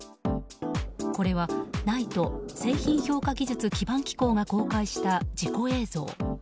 これは、ＮＩＴＥ・製品評価技術基盤機構が公開した事故映像。